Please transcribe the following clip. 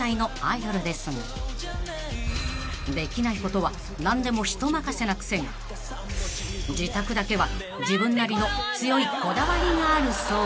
［できないことは何でも人任せなくせに自宅だけは自分なりの強いこだわりがあるそうで］